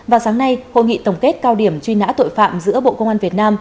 vào sáng nay hội nghị tổng kết cao điểm truy nã tội phạm giữa bộ công an việt nam